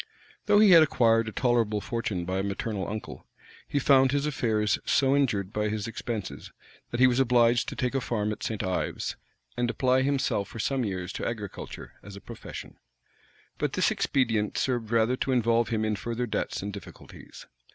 Though he had acquired a tolerable fortune by a maternal uncle, he found his affairs so injured by his expenses, that he was obliged to take a farm at St. Ives, and apply himself for some years to agriculture as a profession. But this expedient served rather to involve him in further debts and difficulties.